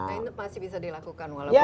nah ini masih bisa dilakukan walaupun